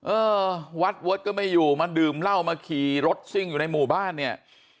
เออวัดก็ไม่อยู่มาดื่มเหล้ามาขี่รถซิ่งอยู่ในหมู่บ้านเนี่ย